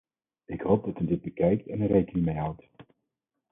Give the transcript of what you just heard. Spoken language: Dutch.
Ik hoop dat u dit bekijkt en er rekening mee houdt.